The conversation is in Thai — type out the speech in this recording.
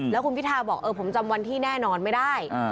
แล้วคุณพิทาบอกเออผมจำวันที่แน่นอนไม่ได้